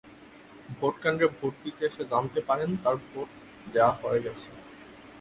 ভোটকেন্দ্রে ভোট দিতে এসে জানতে পারেন তাঁর ভোট দেওয়া হয়ে গেছে।